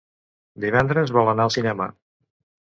Divendres vol anar al cinema.